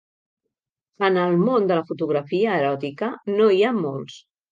En el món de la fotografia eròtica no hi ha molts.